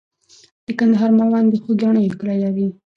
د کندهار میوند د خوګیاڼیو کلی لري.